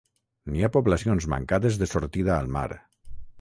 N'hi ha poblacions mancades de sortida al mar.